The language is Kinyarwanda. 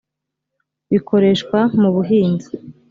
bikoreshwa mu buhinzi